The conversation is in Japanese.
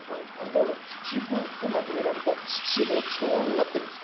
だから七五でまとめられた七五調になってるんです。